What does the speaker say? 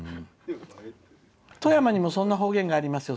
「富山にも、そんな方言がありますよ。